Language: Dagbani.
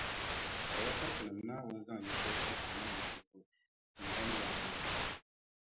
Lala ka Tinim’ Naawuni zaŋ yiko ti Annabi Yisifu tiŋgbani yaaŋa zuɣu.